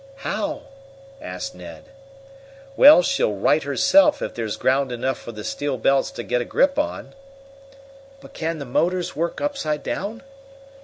"How?" asked Ned. "Well, she'll right herself if there's ground enough for the steel belts to get a grip on. "But can the motors work upside down?"